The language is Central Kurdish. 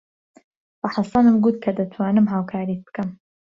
بە حەسەنم گوت کە دەتوانم هاوکاریت بکەم.